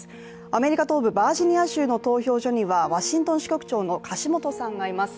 アメリカ東部バージニア州の投票所にはワシントン支局長の樫元さんがいます。